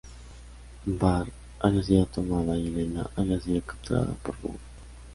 Bar había sido tomada y Elena había sido capturada por Bohun.